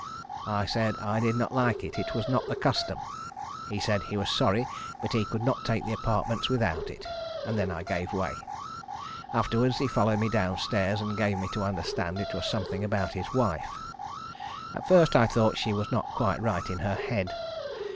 I said I did not like it, it was not the custom. He said he was sorry, but he could not take the apartments without it, and then I gave way. Afterwards he followed me down stairs, and gave me to understand it was something about his wife. At first, I thought she was not quite right in her head.